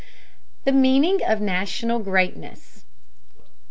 THE MEANING OF NATIONAL GREATNESS.